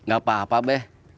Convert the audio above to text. gak apa apa be